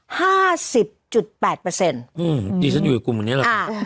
หืมดีฉันอยู่กลุ่มเหมือนนี้เหรอ